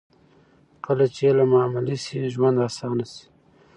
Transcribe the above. کله چې علم عملي شي، ژوند اسانه شي.